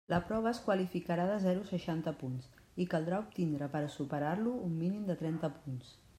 La prova es qualificarà de zero a seixanta punts, i caldrà obtindre per a superar-lo un mínim de trenta punts.